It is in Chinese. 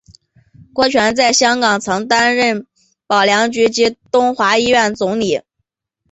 郭泉在香港曾任保良局及东华医院总理。